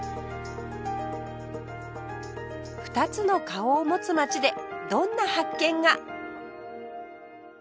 ２つの顔を持つ街でどんな発見が？